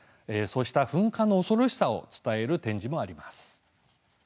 そうした噴火の恐ろしさを伝える展示もあります。